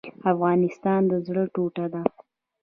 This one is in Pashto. افغانستان د زړه ټوټه ده